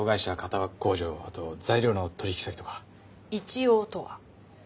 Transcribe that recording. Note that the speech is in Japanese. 一応とは？